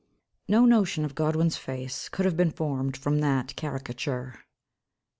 No notion of Godwin's face could have been formed from that caricature." 1833.